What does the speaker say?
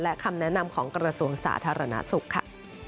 และคำแนะนำของกระทรวงสาธารณสุขค่ะ